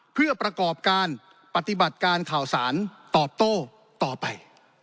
เพื่อประกอบการปฏิบัติการข่าวสารตอบโต้ต่อไป